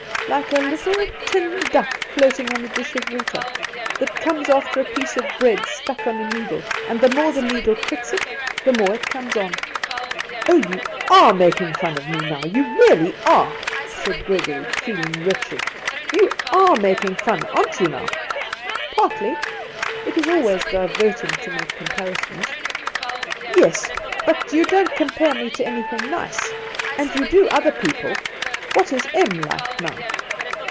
"Like a little tin duck floating on a dish of water, that comes after a piece of bread stuck on a needle, and the more the needle pricks it the more it comes on." "Oh, you are making fun of me now, you really are!" said Gregory feeling wretched. "You are making fun, aren't you, now?" "Partly. It is always diverting to make comparisons." "Yes; but you don't compare me to anything nice, and you do other people. What is Em like, now?"